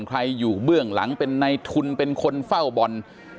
ใครอยู่เบื้องหลังเป็นในทุนเป็นคนเฝ้าบอล